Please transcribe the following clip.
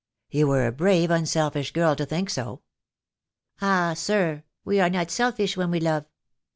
"You were a brave, unselfish girl to think so." "Ah, sir, we are not selfish when we love.